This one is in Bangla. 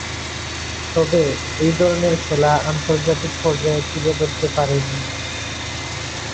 তবে, এ ধরনের খেলা আন্তর্জাতিক পর্যায়ে তুলে ধরতে পারেননি।